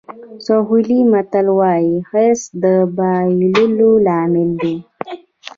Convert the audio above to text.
سوهیلي متل وایي حرص د بایللو لامل دی.